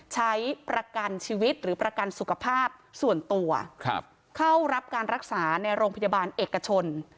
ใช้ประกันชีวิตหรือประกันสุขภาพส่วนตัวเข้ารับการรักษาในโรงพยาบาลเอกชน